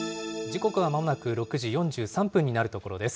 時刻はまもなく６時４３分になるところです。